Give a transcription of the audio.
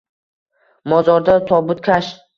Mozorda — tobutkash